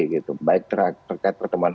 gitu baik terkait pertemuan